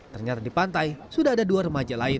ternyata di pantai sudah ada dua remaja lain